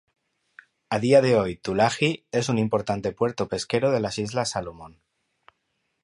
A día de hoy, Tulagi es un importante puerto pesquero de las Islas Salomón.